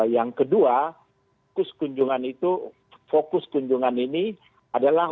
yang kedua fokus kunjungan ini adalah